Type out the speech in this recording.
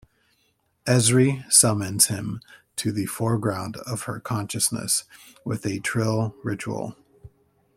Ezri summons him to the foreground of her consciousness with a Trill ritual.